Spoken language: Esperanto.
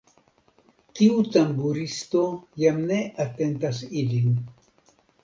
Tiu tamburisto, jam ne atentas ilin.